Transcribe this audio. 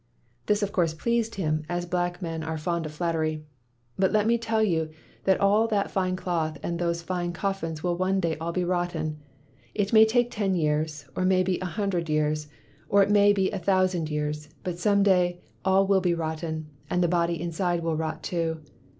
This, of course, pleased him, as black men are fond of flattery. 'But let me tell you that all that fine cloth and those fine coffins will one day all be rotten. It may take ten years, or may be a hundred years, or it may be a thousand years; but some day all will be rotten, and the body inside will rot too.